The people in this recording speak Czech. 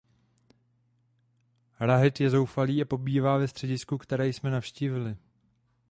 Rahed je zoufalý a pobývá ve středisku, které jsme navštívili.